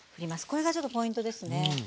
これがちょっとポイントですね。